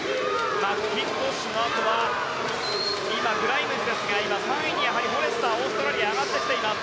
マッキントッシュのあとは今、グライムズですが今、３位にフォレスターが上がってきています。